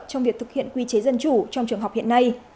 trong việc thực hiện quy chế dân chủ trong trường học hiện nay